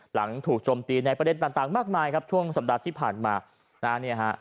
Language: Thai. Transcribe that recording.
หลังถูกโจมตีในประเด็นต่างมากมายครับช่วงสัปดาห์ที่ผ่านมานะฮะเนี่ยฮะ